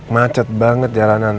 macet banget jalanan